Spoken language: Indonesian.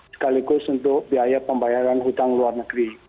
sekaligus untuk biaya pembayaran hutang luar negeri